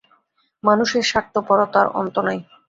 মানুষের স্বার্থপরতার অন্ত নাই।